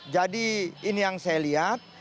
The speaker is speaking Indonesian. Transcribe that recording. jadi ini yang saya lihat